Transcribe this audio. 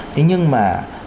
thế nhưng mà